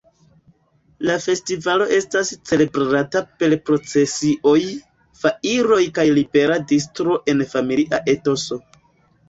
La festivalo estas celebrata per procesioj, foiroj kaj libera distro en familia etoso.